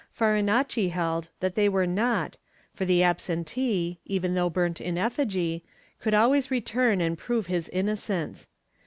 Farinacci held that they were not, for the absentee, even though burnt in effigy, could always return and prove his innocence.